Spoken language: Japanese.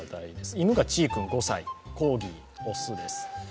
犬がちい君５歳、コーギー、雄です。